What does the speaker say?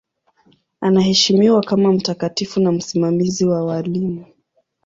Anaheshimiwa kama mtakatifu na msimamizi wa walimu.